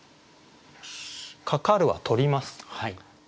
「かかる」は取ります。